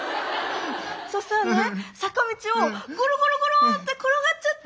そしたらね坂道をゴロゴロゴロって転がっちゃって。